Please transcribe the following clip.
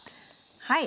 はい。